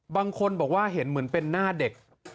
บางคนบอกว่าเห็นเหมือนเป็นหน้าเด็ก